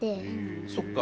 そっか。